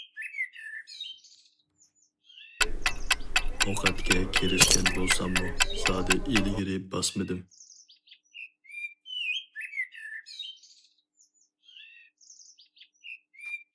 ئوقەتكە كىرىشكەن بولساممۇ، زادى ئىلگىرى باسمىدىم.